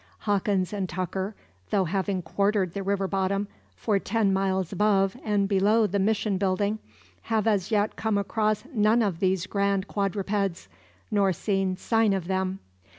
Hawkins and Tucker, though having quartered the river bottom, for ten miles above and below the mission building, have as yet come across none of these grand quadrupeds, nor seen "sign" of them.